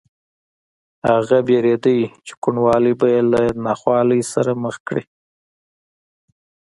هغه وېرېده چې کوڼوالی به یې له ناخوالې سره مخ کړي